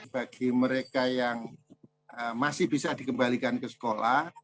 bagi mereka yang masih bisa dikembalikan ke sekolah